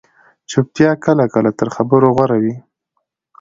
چُپتیا کله کله تر خبرې غوره وي